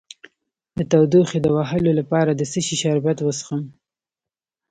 د تودوخې د وهلو لپاره د څه شي شربت وڅښم؟